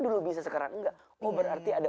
dulu bisa sekarang enggak kok berarti ada